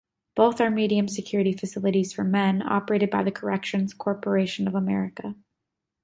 Both are medium-security facilities for men, operated by the Corrections Corporation of America.